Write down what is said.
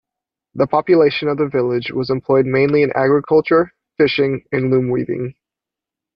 The population of the village was employed mainly in agriculture, fishing and loom weaving.